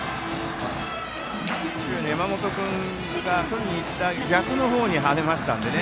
山本君がとりにいった逆のほうに跳ねましたんでね。